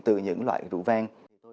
từ những loại rượu vang